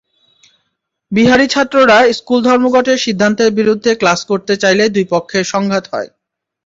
বিহারি ছাত্ররা স্কুল-ধর্মঘটের সিদ্ধান্তের বিরুদ্ধে ক্লাস করতে চাইলে দুই পক্ষে সংঘাত হয়।